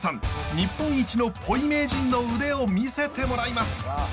日本一のポイ名人の腕を見せてもらいます。